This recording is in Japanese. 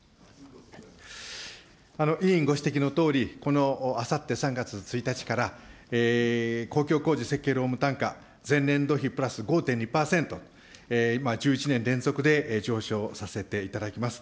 委員ご指摘のとおり、このあさって３月１日から、公共工事設計労務単価、前年度比プラス５．２％、１１年連続で上昇させていただきます。